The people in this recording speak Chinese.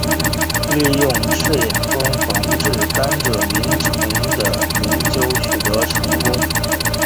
利用赤眼蜂防治甘蔗螟虫的研究取得成功。